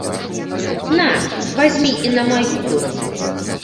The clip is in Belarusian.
На, вазьмі і на маю долю!